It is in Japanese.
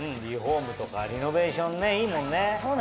リフォームとかリノベーションねいいもんね。